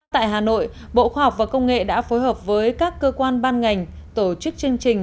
tại hà nội bộ khoa học và công nghệ đã phối hợp với các cơ quan ban ngành tổ chức chương trình